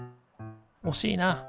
おしいな。